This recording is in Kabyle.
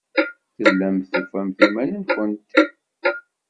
Tellamt tufamt iman-nwent.